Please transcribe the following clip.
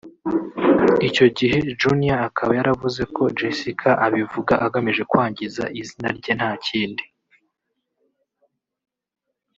icyo gihe Junior akaba yaravuze ko Jessica abivuga agamije kwangiza izina rye nta kindi